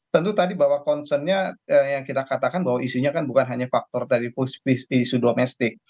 tentu tadi bahwa concernnya yang kita katakan bahwa isunya kan bukan hanya faktor dari isu domestik